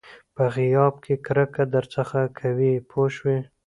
په غیاب کې کرکه درڅخه کوي پوه شوې!.